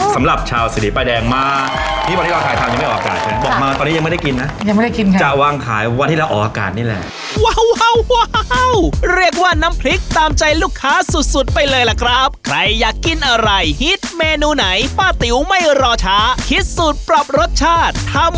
สำหรับชาวสถิตย์ปลาแดงมากนี่วันที่เราขายทำยังไม่ออกอากาศใช่ไหม